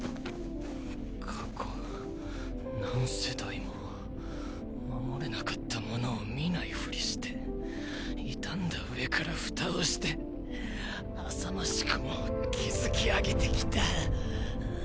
過去何世代も守れなかったモノを見ないフリして傷んだ上から蓋をして浅ましくも築き上げてきた。